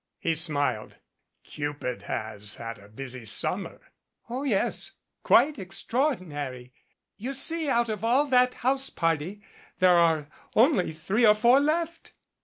He smiled. "Cupid has had a busy summer." "Oh, yes, quite extraordinary. You see out of all that house party, there are only three or four left."